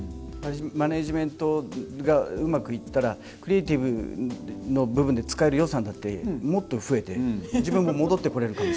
マネジメントがうまくいったらクリエイティブの部分で使える予算だってもっと増えて自分が戻ってこれるかもしれない。